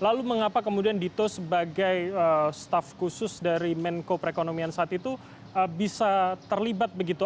lalu mengapa kemudian dito sebagai staff khusus dari menko perekonomian saat itu bisa terlibat begitu